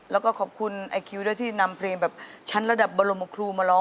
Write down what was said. แล้วก็ขอบคุณไอคิวด้วยที่นำเพลงแบบชั้นระดับบรมครูมาร้อง